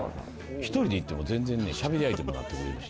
１人で行っても、しゃべり相手になってくれるし。